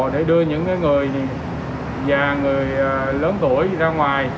để đưa những người và người lớn tuổi ra ngoài